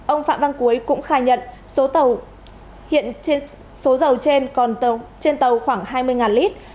ông phạm văn cuối cũng khai nhận số dầu trên còn trên tàu khoảng hai mươi lit